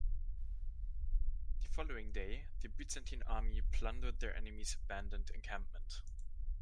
The following day the Byzantine army plundered their enemy's abandoned encampment.